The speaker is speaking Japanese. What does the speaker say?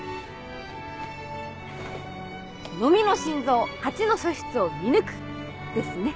「ノミの心臓蜂の素質を見抜く」ですね。